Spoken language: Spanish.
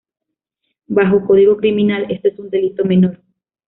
Bajo código criminal, esto es un delito menor.